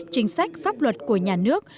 chính sách pháp luật của nhà nước